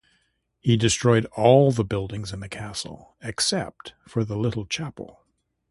He destroyed all the buildings in the castle, except for the little chapel.